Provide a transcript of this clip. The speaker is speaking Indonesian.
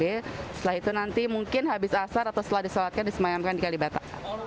setelah itu nanti mungkin habis asar atau setelah disolatkan disemayamkan di kalibata